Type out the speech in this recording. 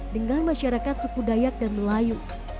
dengan masyarakat suku dayak dan melayu